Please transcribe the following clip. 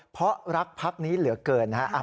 เพราะรักพักนี้เหลือเกินนะครับ